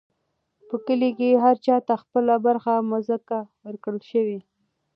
په کلي کې هر چا ته خپله برخه مځکه ورکړل شوه.